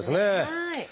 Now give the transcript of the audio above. はい。